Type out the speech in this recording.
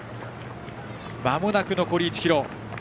まもなく残り１ｋｍ。